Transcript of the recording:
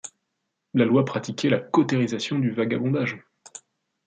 La loi pratiquait la cautérisation du vagabondage.